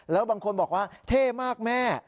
แล้วบางคนบอกว่าเท่มากแม่